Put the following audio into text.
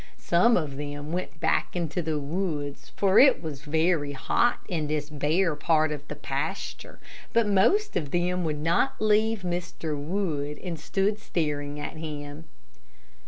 Some of them went back into the woods, for it was very hot in this bare part of the pasture, but the most of them would not leave Mr. Wood, and stood staring at him.